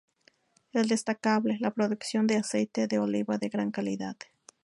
Es destacable la producción de aceite de oliva de gran calidad.